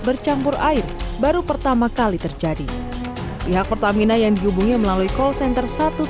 bercampur air baru pertama kali terjadi pihak pertamina yang dihubungi melalui call center